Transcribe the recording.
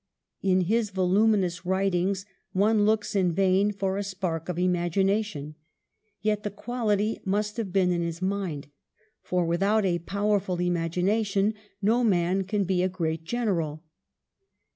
In his voluminous writings one looks in vain for a spark of imagination ; yet the quality must have been in his mind, for without a powerful imagination no man can be a great general.